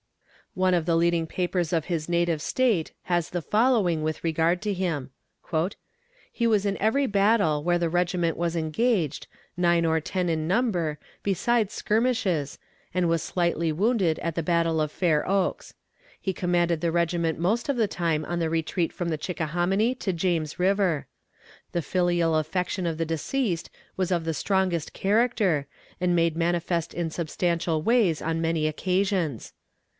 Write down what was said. One of the leading papers of his native State has the following with regard to him: "He was in every battle where the regiment was engaged, nine or ten in number, besides skirmishes, and was slightly wounded at the battle of Fair Oaks. He commanded the regiment most of the time on the retreat from the Chickahominy to James river. The filial affection of the deceased was of the strongest character, and made manifest in substantial ways on many occasions.